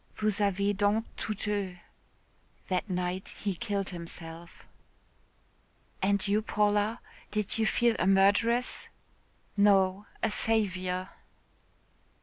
Vous avez donc tout eu.' That night he killed himself." "And you, Paula, did you feel a murderess?" "No, a saviour."